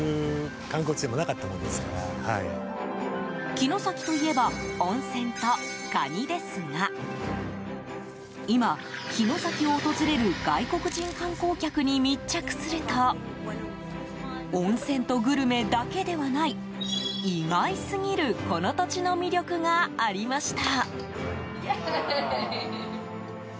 城崎といえば温泉とカニですが今、城崎を訪れる外国人観光客に密着すると温泉とグルメだけではない意外過ぎるこの土地の魅力がありました。